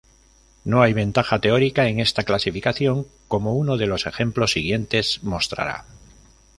No hay ventaja teórica en esta clasificación, como uno de los ejemplos siguientes mostrará.